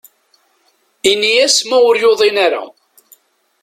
Ini-as ma ur yuḍin ara.